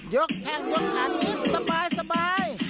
ยกแขกยกอันนี้สบาย